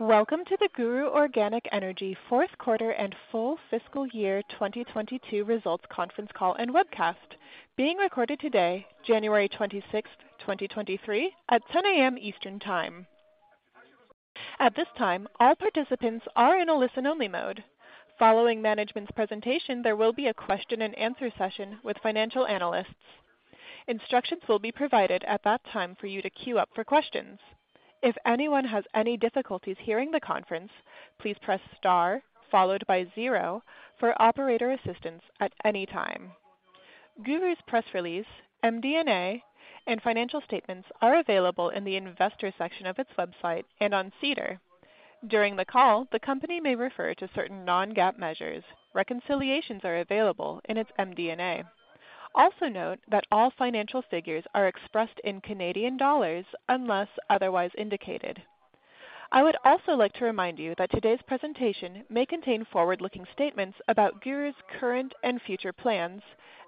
Welcome to the GURU Organic Energy Q4 and full fiscal year 2022 results conference call and webcast, being recorded today, January 26th, 2023 at 10:00 A.M. Eastern Time. At this time, all participants are in a listen-only mode. Following management's presentation, there will be a question and answer session with financial analysts. Instructions will be provided at that time for you to queue up for questions. If anyone has any difficulties hearing the conference, please press star followed by zero for operator assistance at any time. GURU's press release, MD&A, and financial statements are available in the investor section of its website and on SEDAR. During the call, the company may refer to certain non-GAAP measures. Reconciliations are available in its MD&A. Also note that all financial figures are expressed in Canadian dollars unless otherwise indicated. I would also like to remind you that today's presentation may contain forward-looking statements about GURU's current and future plans,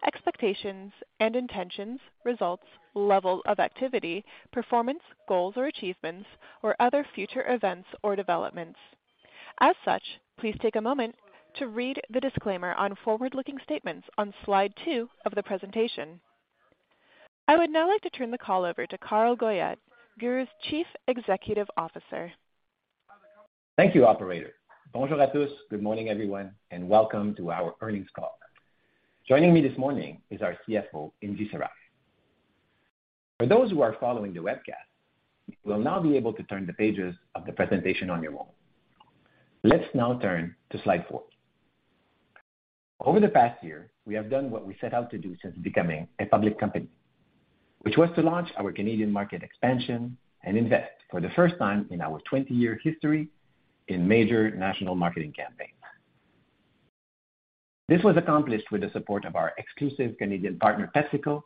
expectations and intentions, results, level of activity, performance, goals or achievements, or other future events or developments. Please take a moment to read the disclaimer on forward-looking statements on slide 2 of the presentation. I would now like to turn the call over to Carl Goyette, GURU's Chief Executive Officer. Thank you, Operator. Good morning, everyone, and welcome to our earnings call. Joining me this morning is our CFO, Ingy Sarraf. For those who are following the webcast, you will now be able to turn the pages of the presentation on your own. Let's now turn to slide four. Over the past year, we have done what we set out to do since becoming a public company, which was to launch our Canadian market expansion and invest for the first time in our 20-year history in major national marketing campaigns. This was accomplished with the support of our exclusive Canadian partner, PepsiCo,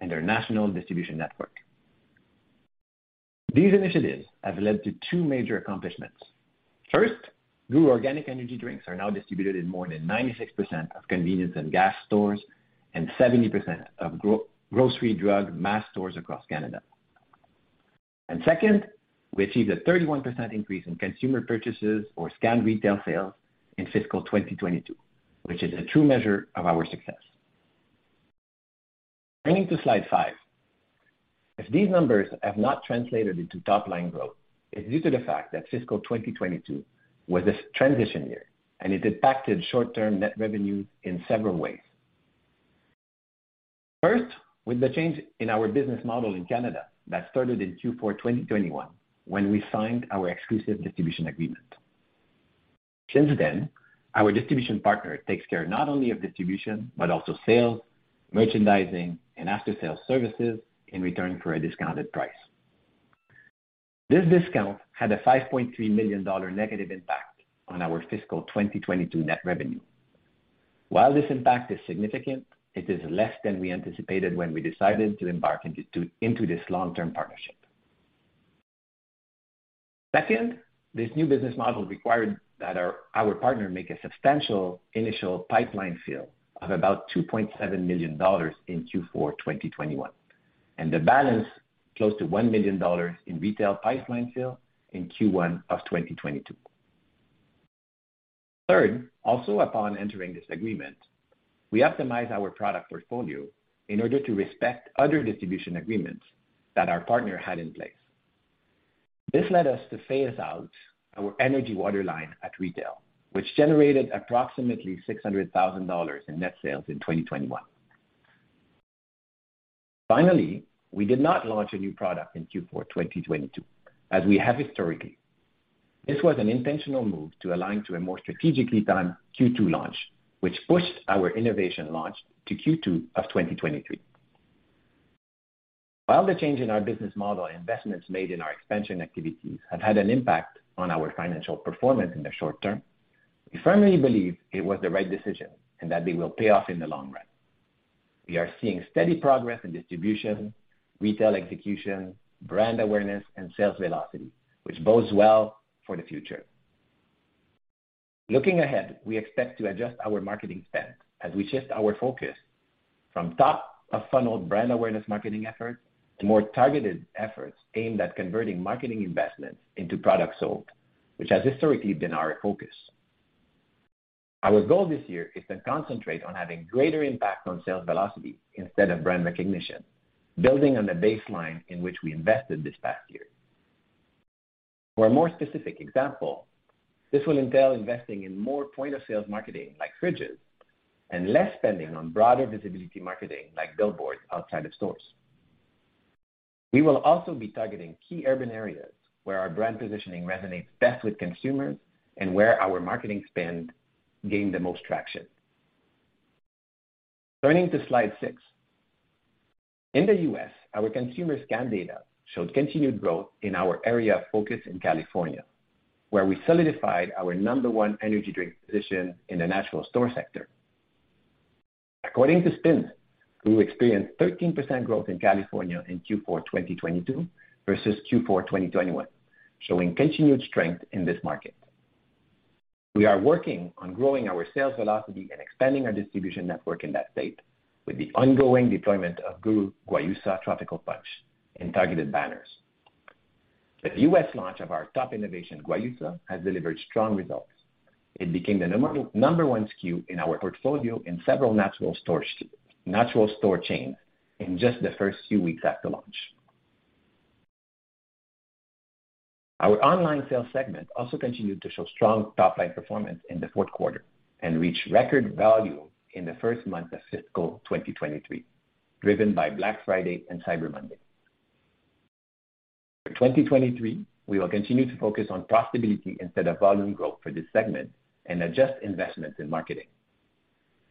and their national distribution network. These initiatives have led to two major accomplishments. First, GURU Organic Energy drinks are now distributed in more than 96% of convenience and gas stores and 70% of grocery drug mass stores across Canada. Second, we achieved a 31% increase in consumer purchases or scanned retail sales in fiscal 2022, which is a true measure of our success. Turning to slide five. If these numbers have not translated into top line growth, it's due to the fact that fiscal 2022 was a transition year, and it impacted short-term net revenues in several ways. First, with the change in our business model in Canada that started in Q4 2021, when we signed our exclusive distribution agreement. Since then, our distribution partner takes care not only of distribution but also sales, merchandising, and after-sales services in return for a discounted price. This discount had a 5.3 million dollar negative impact on our fiscal 2022 net revenue. While this impact is significant, it is less than we anticipated when we decided to embark into this long-term partnership. Second, this new business model required that our partner make a substantial initial pipeline fill of about 2.7 million dollars in Q4 2021, and the balance close to 1 million dollars in retail pipeline fill in Q1 2022. Third, also upon entering this agreement, we optimize our product portfolio in order to respect other distribution agreements that our partner had in place. This led us to phase out our Energy Water line at retail, which generated approximately 600,000 dollars in net sales in 2021. Finally, we did not launch a new product in Q4 2022, as we have historically. This was an intentional move to align to a more strategically timed Q2 launch, which pushed our innovation launch to Q2 2023. While the change in our business model and investments made in our expansion activities have had an impact on our financial performance in the short term, we firmly believe it was the right decision and that they will pay off in the long run. We are seeing steady progress in distribution, retail execution, brand awareness, and sales velocity, which bodes well for the future. Looking ahead, we expect to adjust our marketing spend as we shift our focus from top of funnel brand awareness marketing efforts to more targeted efforts aimed at converting marketing investments into products sold, which has historically been our focus. Our goal this year is to concentrate on having greater impact on sales velocity instead of brand recognition, building on the baseline in which we invested this past year. For a more specific example, this will entail investing in more point-of-sale marketing like fridges and less spending on broader visibility marketing like billboards outside of stores. We will also be targeting key urban areas where our brand positioning resonates best with consumers and where our marketing spend gain the most traction. Turning to slide six. In the U.S., our consumer scan data showed continued growth in our area of focus in California, where we solidified our number one energy drink position in the national store sector. According to SPINS, we experienced 13% growth in California in Q4 2022 versus Q4 2021, showing continued strength in this market. We are working on growing our sales velocity and expanding our distribution network in that state with the ongoing deployment of GURU Guayusa Tropical Punch in targeted banners. The U.S. launch of our top innovation, Guayusa, has delivered strong results. It became the number one SKU in our portfolio in several natural store chains in just the first few weeks after launch. Our online sales segment also continued to show strong top-line performance in the Q4 and reached record value in the first month of fiscal 2023, driven by Black Friday and Cyber Monday. For 2023, we will continue to focus on profitability instead of volume growth for this segment and adjust investments in marketing.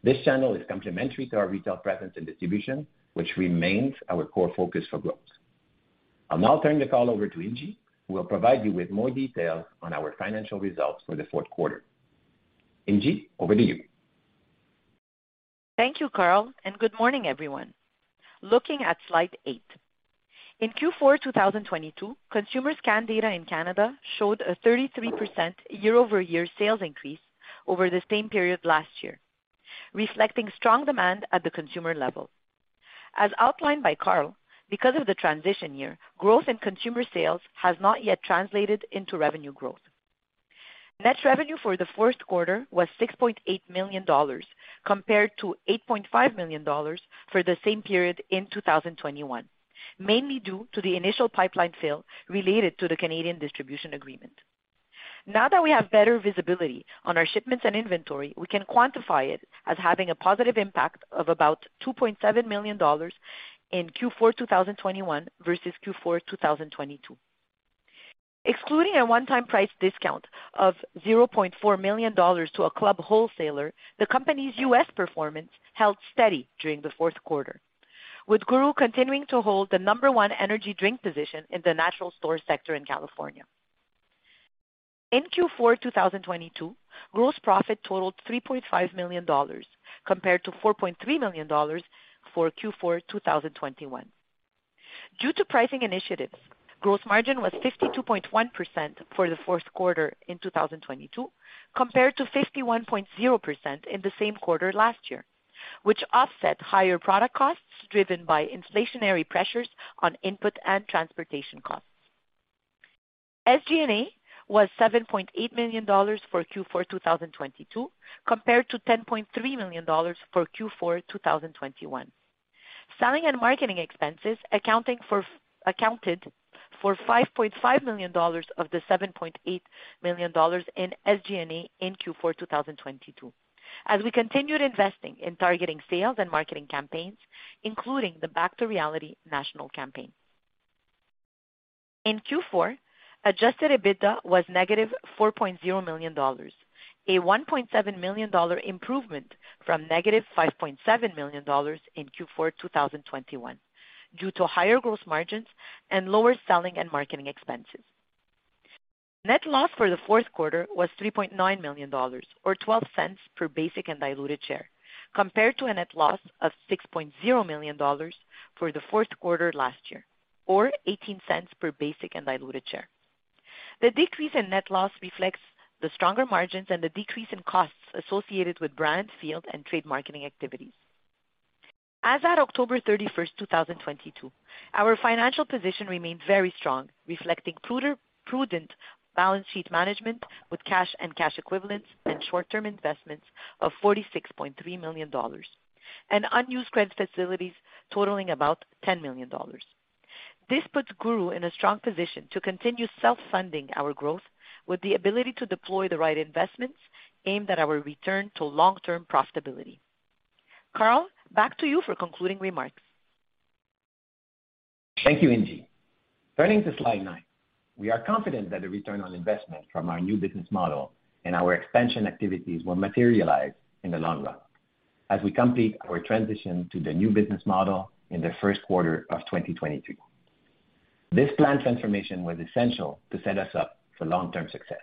This channel is complementary to our retail presence and distribution, which remains our core focus for growth. I'll now turn the call over to Ingy, who will provide you with more details on our financial results for the Q4. Ingy, over to you. Thank you, Carl, and good morning, everyone. Looking at slide eight, in Q4 2022, consumer scan data in Canada showed a 33% year-over-year sales increase over the same period last year, reflecting strong demand at the consumer level. As outlined by Carl, because of the transition year, growth in consumer sales has not yet translated into revenue growth. Net revenue for the Q4 was 6.8 million dollars compared to 8.5 million dollars for the same period in 2021, mainly due to the initial pipeline fill related to the Canadian distribution agreement. Now that we have better visibility on our shipments and inventory, we can quantify it as having a positive impact of about 2.7 million dollars in Q4 2021 versus Q4 2022. Excluding a one-time price discount of 0.4 million dollars to a club wholesaler, the company's U.S. performance held steady during the Q4, with GURU continuing to hold the number one energy drink position in the natural store sector in California. In Q4, 2022, gross profit totaled CAD 3.5 million compared to CAD4.3 million for Q4, 2021. Due to pricing initiatives, gross margin was 52.1% for the Q4 in 2022, compared to 51.0% in the same quarter last year, which offset higher product costs driven by inflationary pressures on input and transportation costs. SG&A was 7.8 million dollars for Q4, 2022 compared to 10.3 million dollars for Q4, 2021. Selling and marketing expenses accounted for 5.5 million dollars of the 7.8 million dollars in SG&A in Q4 2022 as we continued investing in targeting sales and marketing campaigns, including the Back to Reality national campaign. In Q4, adjusted EBITDA was -4.0 million dollars, a 1.7 million dollar improvement from -5.7 million dollars in Q4 2021 due to higher gross margins and lower selling and marketing expenses. Net loss for the Q4 was 3.9 million dollars or 0.12 per basic and diluted share, compared to a net loss of 6.0 million dollars for the Q4 last year, or 0.18 per basic and diluted share. The decrease in net loss reflects the stronger margins and the decrease in costs associated with brand, field, and trade marketing activities. As at October 31st, 2022, our financial position remained very strong, reflecting prudent balance sheet management with cash and cash equivalents and short-term investments of 46.3 million dollars and unused credit facilities totaling about 10 million dollars. This puts GURU in a strong position to continue self-funding our growth with the ability to deploy the right investments aimed at our return to long-term profitability. Carl, back to you for concluding remarks. Thank you, Ingy. Turning to slide nine. We are confident that the ROI from our new business model and our expansion activities will materialize in the long run as we complete our transition to the new business model in the Q1 of 2023. This planned transformation was essential to set us up for long-term success.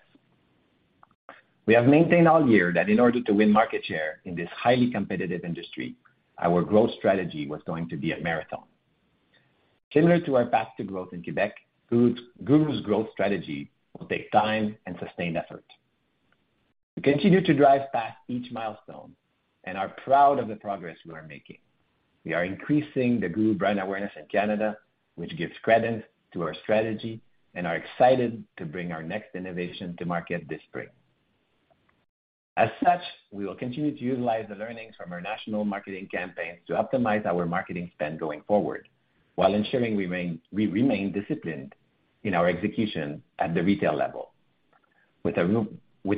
We have maintained all year that in order to win market share in this highly competitive industry, our growth strategy was going to be a marathon. Similar to our path to growth in Quebec, GURU's growth strategy will take time and sustained effort. We continue to drive past each milestone and are proud of the progress we are making. We are increasing the GURU brand awareness in Canada, which gives credence to our strategy and are excited to bring our next innovation to market this spring. As such, we will continue to utilize the learnings from our national marketing campaigns to optimize our marketing spend going forward while ensuring we remain disciplined in our execution at the retail level. With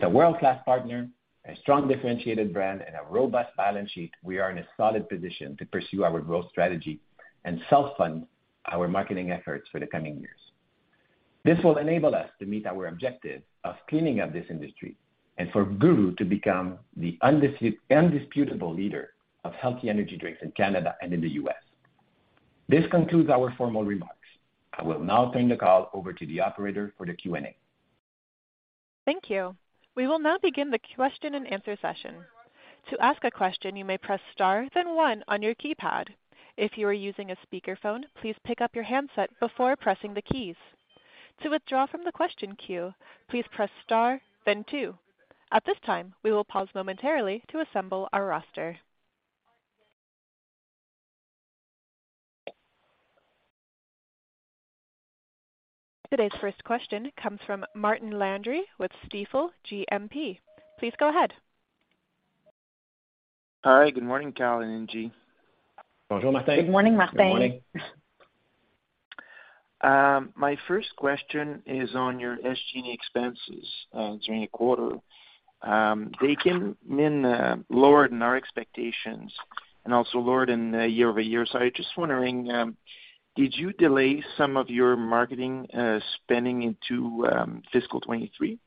a world-class partner, a strong differentiated brand, and a robust balance sheet, we are in a solid position to pursue our growth strategy and self-fund our marketing efforts for the coming years. This will enable us to meet our objective of cleaning up this industry and for GURU to become the undisputable leader of healthy energy drinks in Canada and in the U.S. This concludes our formal remarks. I will now turn the call over to the operator for the Q&A. Thank you. We will now begin the question and answer session. To ask a question, you may press star then one on your keypad. If you are using a speakerphone, please pick up your handset before pressing the keys. To withdraw from the question queue, please press star then two. At this time, we will pause momentarily to assemble our roster. Today's first question comes from Martin Landry with Stifel GMP. Please go ahead. Hi. Good morning, Cal and Ingy. Good morning, Martin. Good morning, Martin. Good morning. My first question is on your SG&A expenses during the quarter. They came in lower than our expectations and also lower than year-over-year. I was just wondering, did you delay some of your marketing spending into fiscal 23?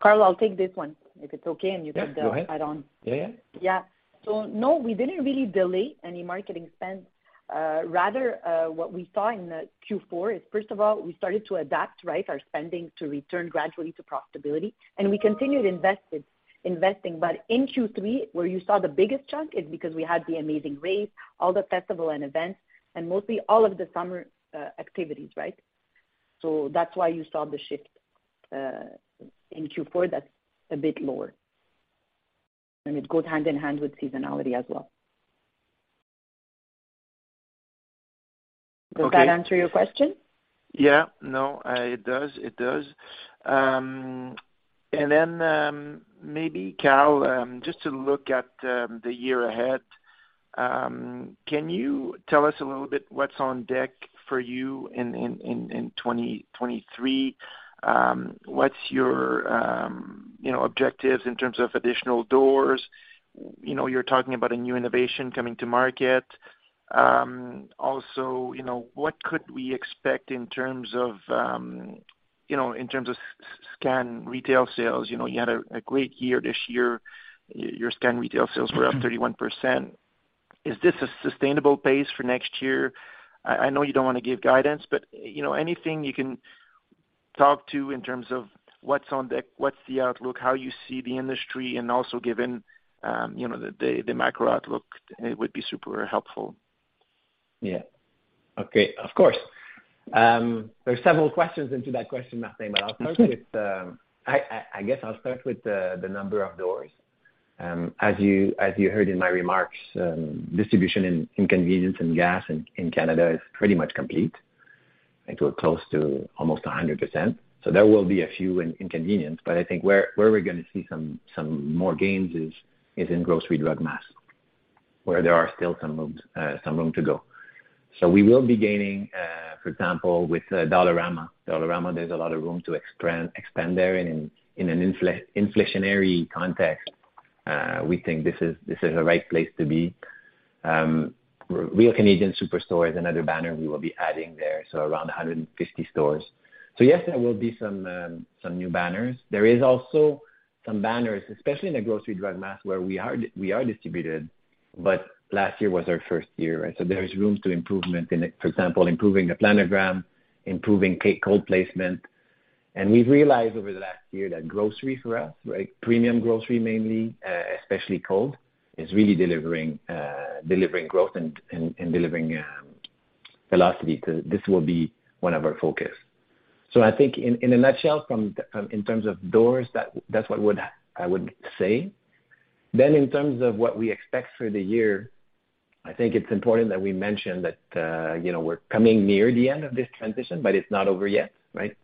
Carl, I'll take this one, if it's okay, and you can build right on. Yeah, go ahead. Yeah, yeah. Yeah. No, we didn't really delay any marketing spend. Rather, what we saw in Q4 is, first of all, we started to adapt, right, our spending to return gradually to profitability. We continued investing. In Q3, where you saw the biggest chunk is because we had The Amazing Race, all the festival and events, and mostly all of the summer activities, right? That's why you saw the shift in Q4, that's a bit lower. It goes hand in hand with seasonality as well. Okay. Does that answer your question? Yeah. No, it does, it does. Maybe, Cal, just to look at the year ahead, can you tell us a little bit what's on deck for you in 2023? What's your, you know, objectives in terms of additional doors? You know, you're talking about a new innovation coming to market. Also, you know, what could we expect in terms of, you know, in terms of scan retail sales? You know, you had a great year this year. Your scan retail sales were up 31%. Is this a sustainable pace for next year? I know you don't wanna give guidance, but, you know, anything you can talk to in terms of what's on deck, what's the outlook, how you see the industry and also given, you know, the macro outlook, it would be super helpful. Yeah. Okay. Of course. There's several questions into that question, Martin, but I'll start with I guess I'll start with the number of doors. As you heard in my remarks, distribution and convenience and gas in Canada is pretty much complete. I think we're close to almost 100%. There will be a few in convenience, but I think where we're gonna see some more gains is in grocery drug mass, where there are still some room to go. We will be gaining, for example, with Dollarama. There's a lot of room to expand there. In an inflationary context, we think this is the right place to be. Real Canadian Superstore is another banner we will be adding there, around 150 stores. Yes, there will be some new banners. There is also some banners, especially in the grocery drug mass, where we are distributed, but last year was our first year, right? There is rooms to improvement in it. For example, improving the planogram, improving cold placement. We've realized over the last year that grocery for us, right, premium grocery mainly, especially cold, is really delivering growth and delivering velocity. This will be one of our focus. I think in a nutshell, from in terms of doors, that's what I would say. In terms of what we expect for the year, I think it's important that we mention that, you know, we're coming near the end of this transition, but it's not over yet, right.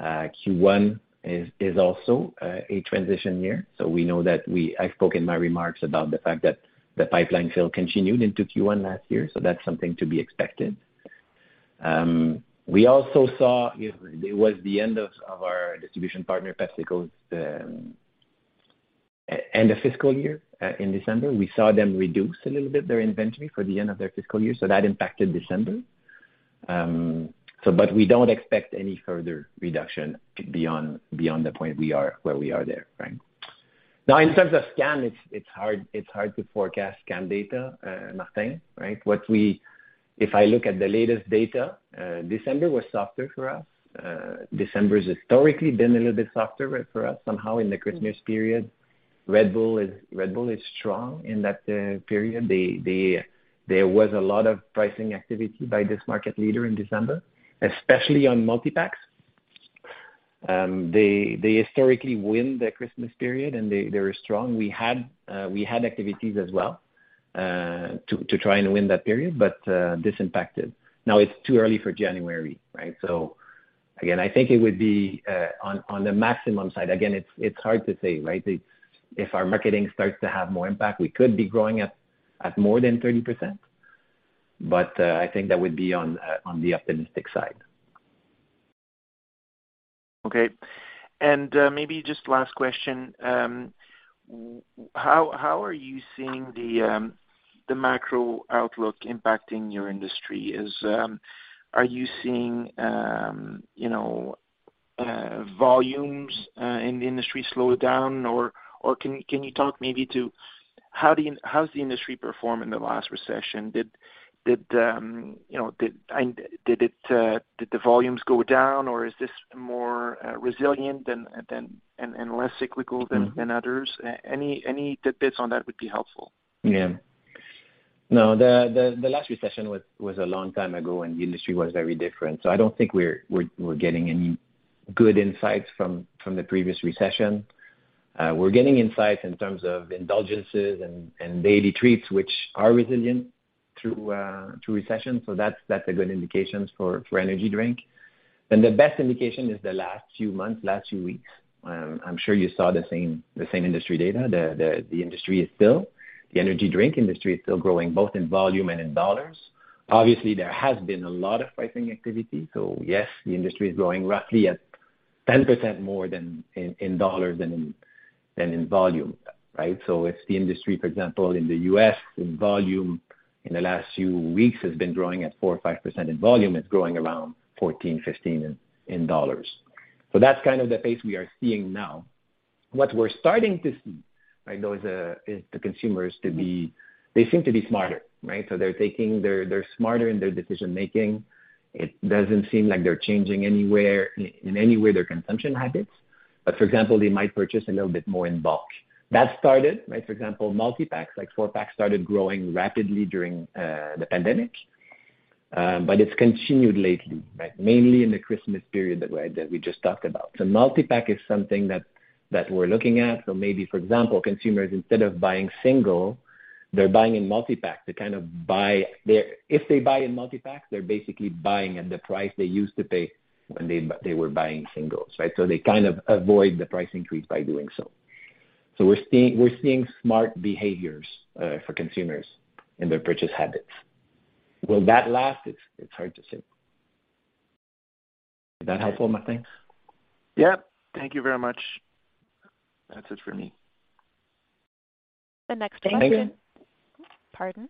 Q1 is also a transition year, so we know that I've spoken my remarks about the fact that the pipeline sale continued into Q1 last year, so that's something to be expected. We also saw it was the end of our distribution partner, PepsiCo's end of fiscal year, in December. We saw them reduce a little bit their inventory for the end of their fiscal year, so that impacted December. We don't expect any further reduction beyond the point we are, where we are there, right. Now, in terms of scan, it's hard to forecast scan data, Martin, right. If I look at the latest data, December was softer for us. December's historically been a little bit softer for us somehow in the Christmas period. Red Bull is strong in that period. There was a lot of pricing activity by this market leader in December, especially on multi-packs. They historically win the Christmas period and they were strong. We had activities as well, to try and win that period, but this impacted. Now, it's too early for January, right? Again, I think it would be on the maximum side, again, it's hard to say, right? If our marketing starts to have more impact, we could be growing at more than 30%, but I think that would be on the optimistic side. Okay. Maybe just last question. How are you seeing the macro outlook impacting your industry? Are you seeing, you know, volumes in the industry slow down? Or can you talk maybe to? How's the industry perform in the last recession? Did, you know, did the volumes go down, or is this more resilient than, and less cyclical than others? Any tidbits on that would be helpful. Yeah. No, the last recession was a long time ago, and the industry was very different. I don't think we're getting any good insights from the previous recession. We're getting insights in terms of indulgences and daily treats, which are resilient through recession, so that's a good indication for energy drink. The best indication is the last few months, last few weeks. I'm sure you saw the same industry data. The energy drink industry is still growing both in volume and in dollars. Obviously, there has been a lot of pricing activity. Yes, the industry is growing roughly at 10% more than in dollar than in volume, right? If the industry, for example, in the U.S. in volume in the last few weeks has been growing at 4% or 5% in volume, it's growing around 14-15 in dollars. That's kind of the pace we are seeing now. What we're starting to see, right, though, is the consumers to be, they seem to be smarter, right? They're taking, they're smarter in their decision-making. It doesn't seem like they're changing anywhere in any way their consumption habits. For example, they might purchase a little bit more in bulk. That started, right? For example, multi-packs, like four-pack started growing rapidly during the pandemic, but it's continued lately, right? Mainly in the Christmas period that we just talked about. Multi-pack is something that we're looking at. Maybe for example, consumers instead of buying single, they're buying in multi-pack to kind of buy their. If they buy in multi-pack, they're basically buying at the price they used to pay when they were buying singles, right? They kind of avoid the price increase by doing so. We're seeing smart behaviors for consumers in their purchase habits. Will that last? It's hard to say. Is that helpful, Martin? Yeah. Thank you very much. That's it for me. The next question. Thank you. Pardon.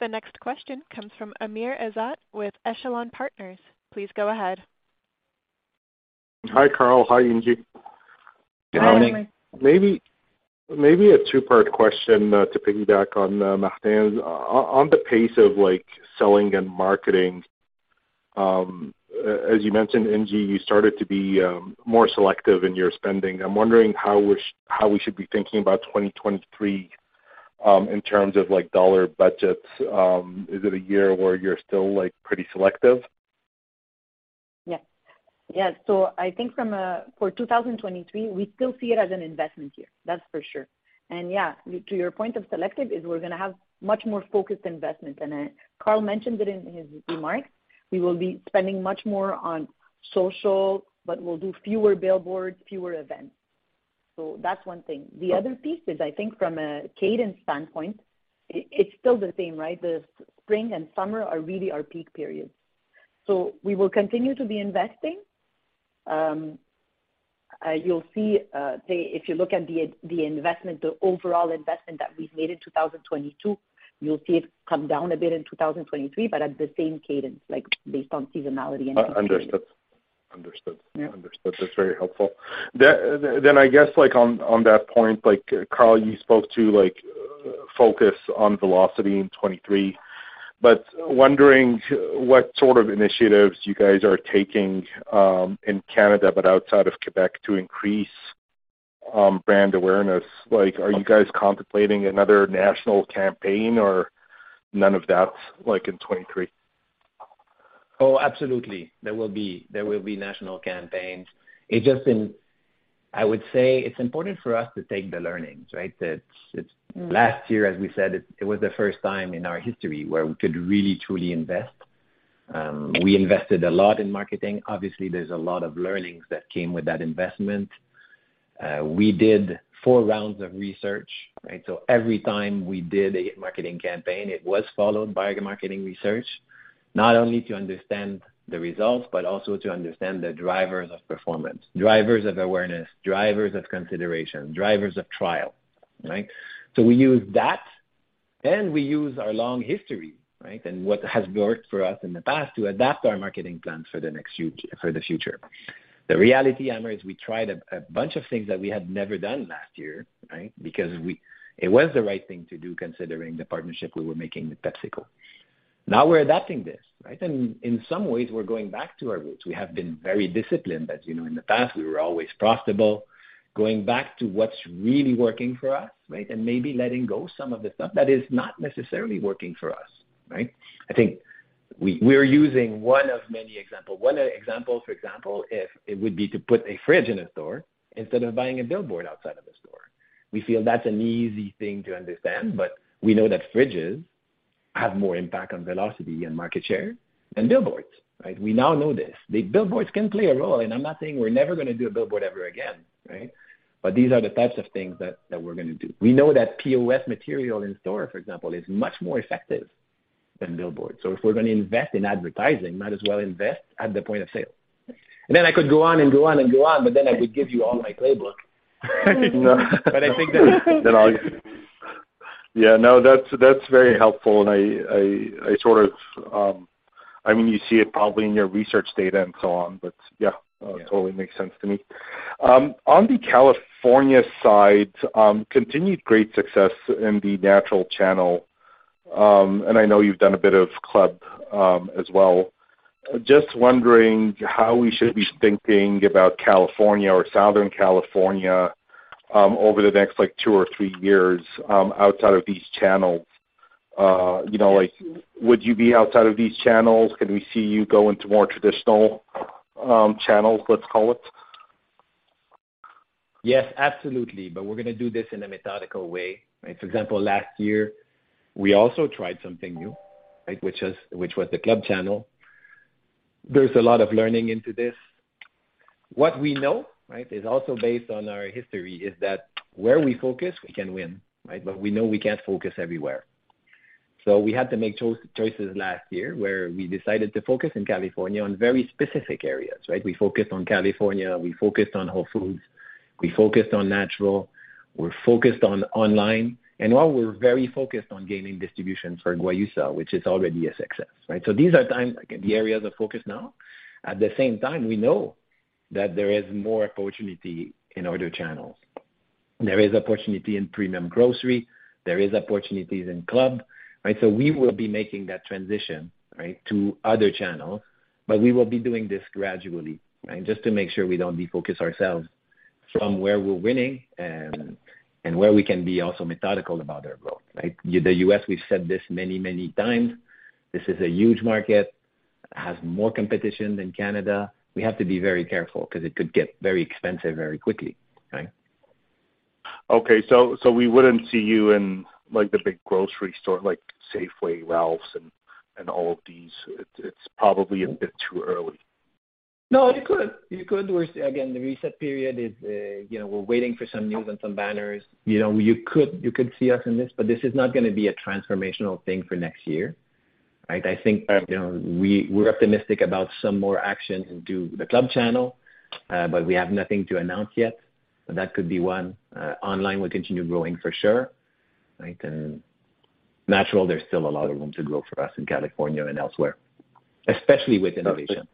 The next question comes from Amir Attar with Echelon Capital Markets. Please go ahead. Hi, Carl. Hi, Ingy. Good morning. Hi. Maybe a two-part question, to piggyback on Martin. On the pace of like selling and marketing, as you mentioned, Ingi, you started to be more selective in your spending. I'm wondering how we should be thinking about 2023, in terms of like CAD budgets. Is it a year where you're still like pretty selective? Yes. Yeah. I think from for 2023, we still see it as an investment year, that's for sure. Yeah, to your point of selective is we're gonna have much more focused investment. Carl mentioned it in his remarks. We will be spending much more on social, but we'll do fewer billboards, fewer events. That's one thing. The other piece is I think from a cadence standpoint, it's still the same, right? Spring and summer are really our peak periods. We will continue to be investing. You'll see the overall investment that we've made in 2022, you'll see it come down a bit in 2023, but at the same cadence, like based on seasonality. Understood. Understood. Yeah. Understood. That's very helpful. I guess like on that point, like Carl, you spoke to like focus on velocity in 2023, but wondering what sort of initiatives you guys are taking in Canada but outside of Quebec to increase brand awareness. Like, are you guys contemplating another national campaign or none of that's like in 2023? Oh, absolutely. There will be national campaigns. I would say it's important for us to take the learnings, right? Mm. Last year, as we said, it was the first time in our history where we could really truly invest. We invested a lot in marketing. Obviously, there's a lot of learnings that came with that investment. We did four rounds of research, right? Every time we did a marketing campaign, it was followed by a marketing research, not only to understand the results, but also to understand the drivers of performance, drivers of awareness, drivers of consideration, drivers of trial, right? We use that, and we use our long history, right, and what has worked for us in the past to adapt our marketing plans for the next for the future. The reality, Amir, is we tried a bunch of things that we had never done last year, right? Because we. it was the right thing to do, considering the partnership we were making with PepsiCo. Now we're adapting this, right? In some ways, we're going back to our roots. We have been very disciplined. As you know, in the past, we were always profitable. Going back to what's really working for us, right? Maybe letting go some of the stuff that is not necessarily working for us, right? I think we're using one of many example. One example, for example, if it would be to put a fridge in a store instead of buying a billboard outside of a store. We feel that's an easy thing to understand, but we know that fridges have more impact on velocity and market share than billboards, right? We now know this. The billboards can play a role, and I'm not saying we're never gonna do a billboard ever again, right? These are the types of things that we're gonna do. We know that POS material in store, for example, is much more effective than billboards. If we're gonna invest in advertising, might as well invest at the point of sale. Then I could go on and go on and go on, but then I would give you all my playbook. No. I think. Yeah. No, that's very helpful. I sort of, I mean, you see it probably in your research data and so on, totally makes sense to me. On the California side, continued great success in the natural channel. I know you've done a bit of club as well. Just wondering how we should be thinking about California or Southern California over the next, like, 2 or 3 years outside of these channels. You know, like, would you be outside of these channels? Can we see you go into more traditional channels, let's call it? Yes, absolutely. We're gonna do this in a methodical way, right? For example, last year, we also tried something new, right? Which was the club channel. There's a lot of learning into this. What we know, right, is also based on our history, is that where we focus, we can win, right? We know we can't focus everywhere. We had to make choices last year where we decided to focus in California on very specific areas, right? We focused on California, we focused on Whole Foods, we focused on natural, we're focused on online. While we're very focused on gaining distribution for Guayusa, which is already a success, right? These are the areas of focus now. At the same time, we know that there is more opportunity in other channels. There is opportunity in premium grocery, there is opportunities in club, right? We will be making that transition, right, to other channels. We will be doing this gradually, right, just to make sure we don't defocus ourselves from where we're winning and where we can be also methodical about our growth, right? The U.S., we've said this many, many times, this is a huge market, has more competition than Canada. We have to be very careful 'cause it could get very expensive very quickly, right? Okay, we wouldn't see you in, like, the big grocery store, like Safeway, Ralphs, and all of these. It's probably a bit too early. No, you could. You could. Again, the reset period is, you know, we're waiting for some news and some banners. You know, you could see us in this, but this is not gonna be a transformational thing for next year, right? I think, you know, we're optimistic about some more action into the club channel, but we have nothing to announce yet. That could be one. Online will continue growing for sure, right? Natural, there's still a lot of room to grow for us in California and elsewhere, especially with innovation.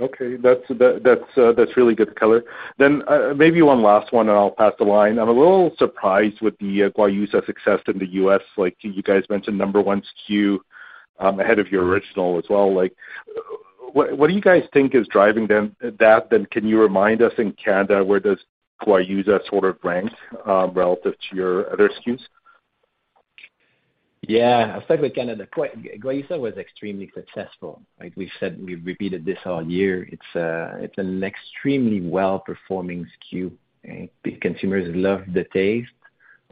Okay. That's really good color. Maybe one last one, and I'll pass the line. I'm a little surprised with the Guayusa success in the U.S. Ike you guys mentioned, 1 SKU, ahead of your Original as well. What do you guys think is driving that? Can you remind us in Canada where does Guayusa sort of ranks relative to your other SKUs? Yeah. I'll start with Canada. Guayusa was extremely successful. Like we said, we've repeated this all year. It's, it's an extremely well-performing SKU. Consumers love the taste.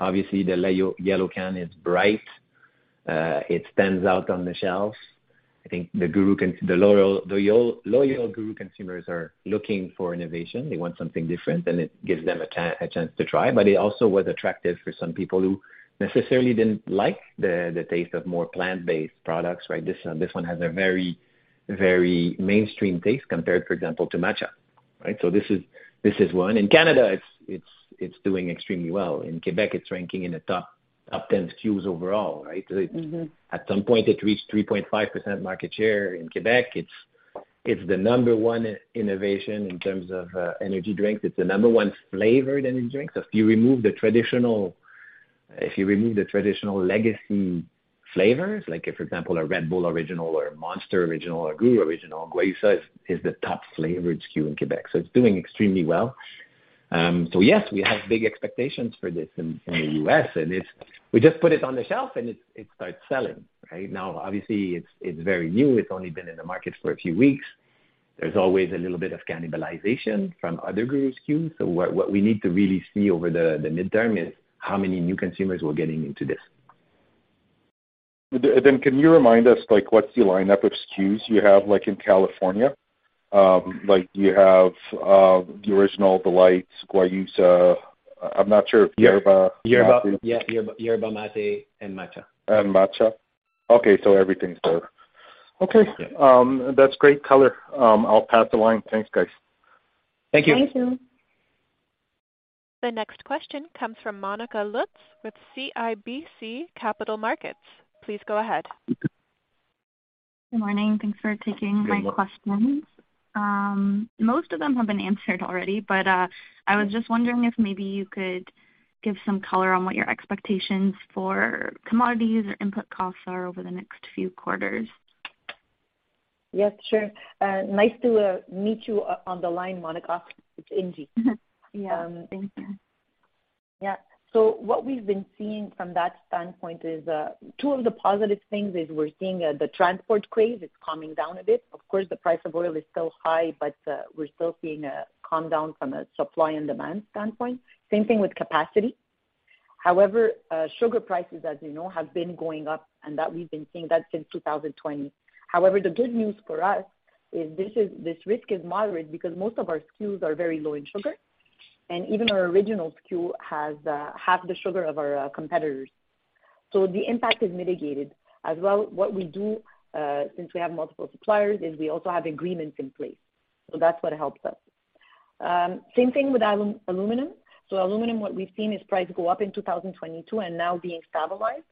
Obviously, the yellow can is bright. It stands out on the shelves. I think the loyal Guru consumers are looking for innovation. They want something different. It gives them a chance to try. It also was attractive for some people who necessarily didn't like the taste of more plant-based products, right? This one has a very, very mainstream taste compared, for example, to Matcha, right? This is one. In Canada, it's doing extremely well. In Quebec, it's ranking in the top, up 10 SKUs overall, right? Mm-hmm. At some point, it reached 3.5% market share. In Quebec, it's the number one innovation in terms of energy drinks. It's the number one flavored energy drink. If you remove the traditional legacy flavors, like if, for example, a Red Bull Original or a Monster Original or GURU Original, Guayusa is the top flavored SKU in Quebec. It's doing extremely well. Yes, we have big expectations for this in the U.S. We just put it on the shelf and it starts selling, right? Now, obviously, it's very new. It's only been in the market for a few weeks. There's always a little bit of cannibalization from other GURU SKUs. What we need to really see over the midterm is how many new consumers we're getting into this. Then can you remind us, like, what's the lineup of SKUs you have, like, in California? like, do you have, the original, the lights, Guayusa? Yerba. Yeah, Yerba Mate and Matcha. Matcha. Everything's there. That's great color. I'll pass the line. Thanks, guys. Thank you. Thank you. The next question comes from Monica Lutz with CIBC Capital Markets. Please go ahead. Good morning. Thanks for taking my questions. Most of them have been answered already, but I was just wondering if maybe you could give some color on what your expectations for commodities or input costs are over the next few quarters. Yes, sure. Nice to meet you on the line, Monica. It's Ingy. Yeah. Thank you. Yeah. So what we've been seeing from that standpoint is, two of the positive things is we're seeing, the transport craze, it's calming down a bit. Of course, the price of oil is still high, but, we're still seeing a calm down from a supply and demand standpoint. Same thing with capacity. However, sugar prices, as you know, have been going up and that we've been seeing that since 2020. However, the good news for us is this risk is moderate because most of our SKUs are very low in sugar, and even our original SKU has, half the sugar of our competitors. As well, what we do, since we have multiple suppliers, is we also have agreements in place. That's what helps us. Same thing with aluminum. Aluminum, what we've seen is price go up in 2022 and now being stabilized.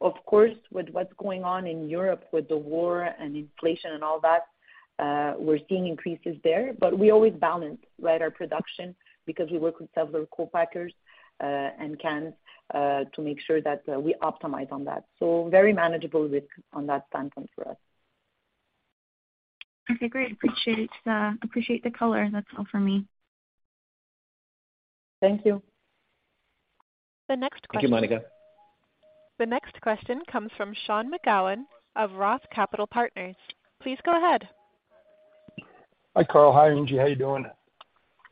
Of course, with what's going on in Europe with the war and inflation and all that, we're seeing increases there, we always balance, right, our production because we work with several co-packers, and cans, to make sure that we optimize on that. Very manageable risk on that standpoint for us. Okay, great. Appreciate, appreciate the color. That's all for me. Thank you. The next question. Thank you, Monica. The next question comes from Sean McGowan of Roth Capital Partners. Please go ahead. Hi, Carl. Hi, Ingy. How you doing?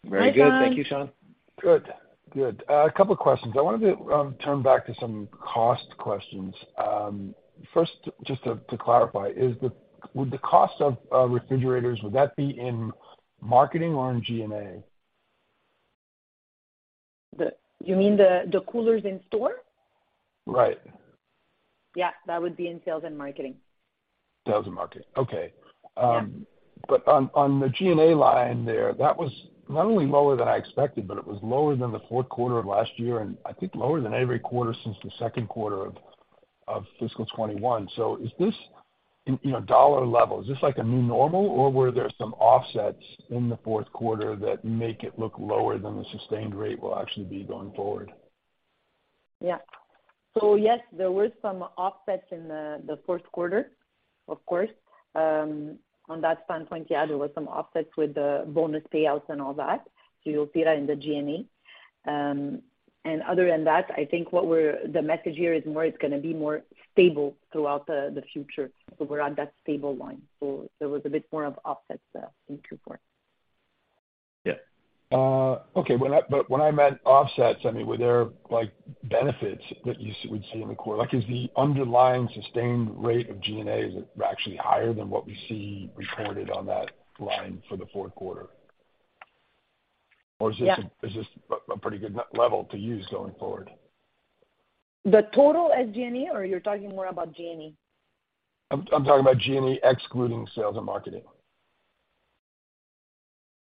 Very good. Hi, Sean. Thank you, Sean. Good. Good. A couple of questions. I wanted to turn back to some cost questions. First, just to clarify, would the cost of refrigerators be in marketing or in G&A? The, you mean the coolers in store? Right. Yeah, that would be in sales and marketing. Sales and marketing. Okay. Yeah. On the G&A line there, that was not only lower than I expected, but it was lower than the Q4 of last year, and I think lower than every quarter since the Q2 of fiscal 2021. Is this, you know, dollar level, is this like a new normal or were there some offsets in the Q4 that make it look lower than the sustained rate will actually be going forward? Yeah. Yes, there were some offsets in the Q4, of course, on that standpoint. Yeah, there was some offsets with the bonus payouts and all that. You'll see that in the G&A. Other than that, I think the message here is more it's gonna be more stable throughout the future. We're on that stable line. There was a bit more of offsets in Q4. Yeah. okay. When I meant offsets, I mean, were there, like, benefits that you would see in the quarter? Like, is the underlying sustained rate of G&A, is it actually higher than what we see reported on that line for the Q4? Yeah. Is this a pretty good level to use going forward? The total SG&A, or you're talking more about G&A? I'm talking about G&A excluding sales and marketing.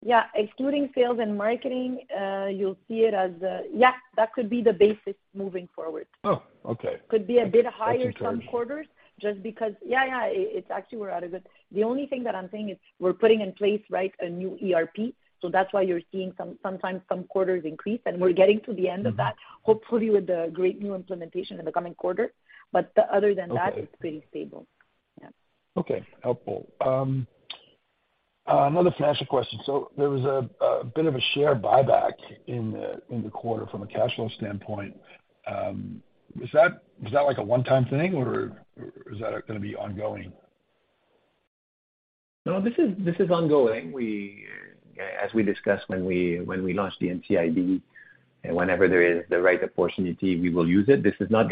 Yeah. Excluding sales and marketing, you'll see it as, yeah, that could be the basis moving forward. Oh, okay. Could be a bit higher some quarters just because. Yeah, yeah, it's actually we're out of it. The only thing that I'm saying is we're putting in place, right, a new ERP. That's why you're seeing sometimes some quarters increase, and we're getting to the end of that, hopefully with a great new implementation in the coming quarter. Other than that, it's pretty stable. Yeah. Okay. Helpful. Another financial question. There was a bit of a share buyback in the quarter from a cash flow standpoint. Is that like a one-time thing or is that gonna be ongoing? No, this is ongoing. We, as we discussed when we launched the NCIB, whenever there is the right opportunity, we will use it. This is not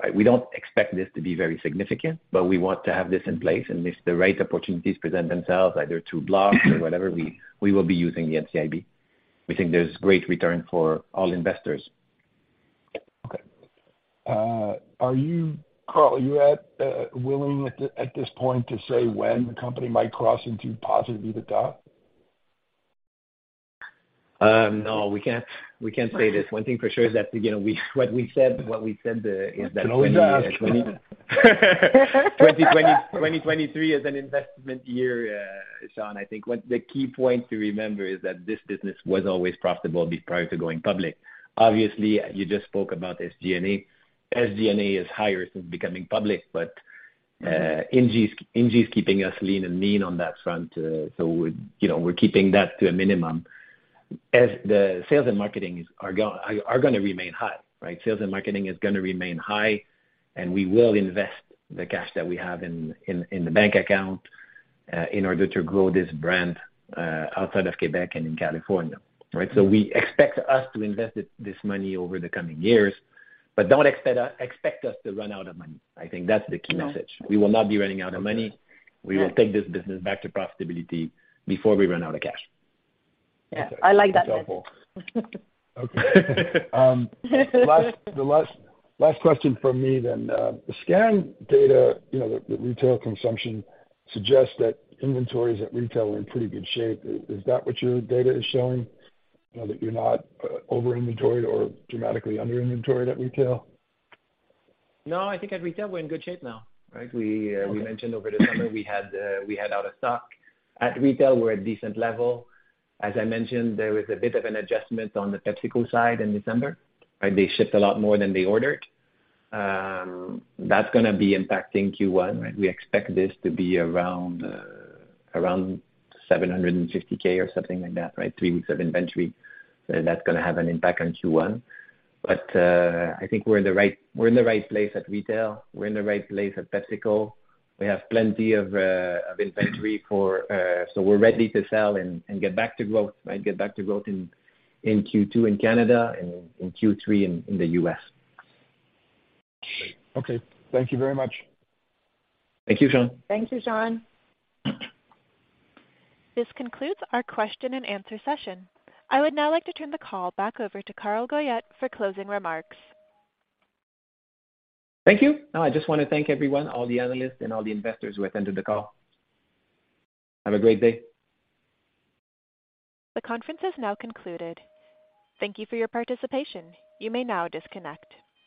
gonna. We don't expect this to be very significant, but we want to have this in place. If the right opportunities present themselves either through blocks or whatever, we will be using the NCIB. We think there's great return for all investors. Okay. Carl, are you willing at this point to say when the company might cross into positive EBITDA? No, we can't say this. One thing for sure is that, you know, we what we said is that One can always ask. 2023 is an investment year, Sean. I think what the key point to remember is that this business was always profitable prior to going public. Obviously, you just spoke about SG&A. SG&A is higher since becoming public, Ingy's keeping us lean and mean on that front. You know, we're keeping that to a minimum. As the sales and marketings are gonna remain high, right? Sales and marketing is gonna remain high, and we will invest the cash that we have in the bank account in order to grow this brand outside of Quebec and in California, right? We expect us to invest this money over the coming years, but don't expect us to run out of money. I think that's the key message. We will not be running out of money. We will take this business back to profitability before we run out of cash. Yeah, I like that message. Okay. Last question from me then. The scan data, you know, the retail consumption suggests that inventories at retail are in pretty good shape. Is that what your data is showing? You know, that you're not over-inventoried or dramatically under-inventoried at retail? No, I think at retail we're in good shape now, right. We mentioned over the summer we had out of stock. At retail, we're at decent level. As I mentioned, there was a bit of an adjustment on the PepsiCo side in December, right. They shipped a lot more than they ordered. That's gonna be impacting Q1, right. We expect this to be around 750,000 or something like that, right. Three weeks of inventory. That's gonna have an impact on Q1. I think we're in the right place at retail. We're in the right place at PepsiCo. We have plenty of inventory for, so we're ready to sell and get back to growth, right. Get back to growth in Q2 in Canada and in Q3 in the U.S. Great. Okay. Thank you very much. Thank you, Sean. Thank you, Sean. This concludes our question and answer session. I would now like to turn the call back over to Carl Goyette for closing remarks. Thank you. No, I just wanna thank everyone, all the analysts and all the investors who have entered the call. Have a great day. The conference has now concluded. Thank you for your participation. You may now disconnect.